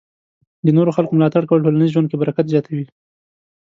د نورو خلکو ملاتړ کول ټولنیز ژوند کې برکت زیاتوي.